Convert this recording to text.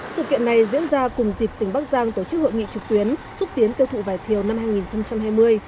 sự kiện này diễn ra cùng dịp tỉnh bắc giang tổ chức hội nghị trực tuyến xúc tiến tiêu thụ vải thiều năm hai nghìn hai mươi